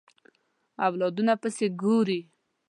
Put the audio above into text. اولادونو پسې ګوري